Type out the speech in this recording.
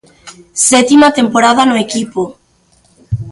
Sétima temporada no equipo.